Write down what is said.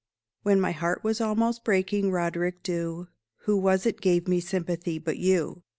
When my heart was almost breaking, Roderick Dhu, Who was it gave me sympathy, but you!